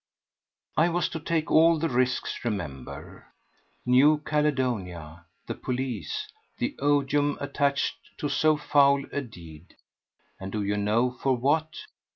I was to take all the risks, remember!—New Caledonia, the police, the odium attached to so foul a deed; and do you know for what?